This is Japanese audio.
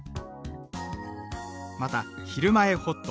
またひるまえほっと